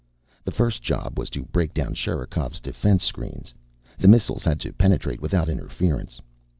The first job was to break down Sherikov's defense screens. The missiles had to penetrate without interference.